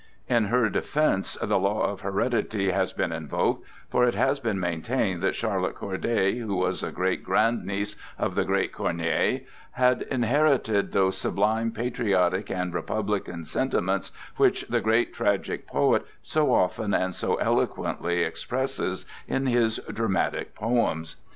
In her defence the law of heredity has been invoked, for it has been maintained that Charlotte Corday, who was a great grandniece of the great Corneille, had inherited those sublime patriotic and republican sentiments which the great tragic poet so often and so eloquently expresses in his dramatic poems.